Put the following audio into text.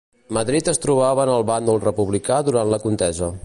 Madrid es trobava en el bàndol republicà durant la contesa.